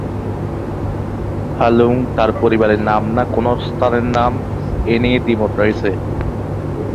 ল্হা-লুং তাঁর পরিবারের নাম না কোন স্থানের নাম এই নিয়ে দ্বিমত রয়েছে।